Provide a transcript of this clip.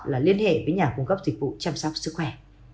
là liên hệ với nhà cung cấp dịch vụ chăm sóc sức khỏe